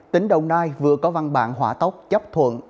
tỉnh đồng nai vừa có văn bản hỏa tốc chấp thuận